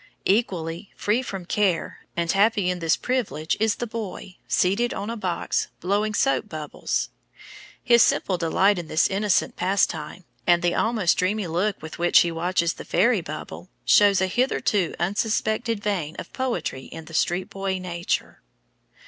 Equally "free from care," and happy in this privilege, is the boy, seated on a box, blowing soap bubbles. His simple delight in this innocent pastime, and the almost dreamy look with which he watches the fairy bubble, show a hitherto unsuspected vein of poetry in the street boy nature.